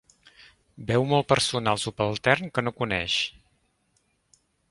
Veu molt personal subaltern que no coneix.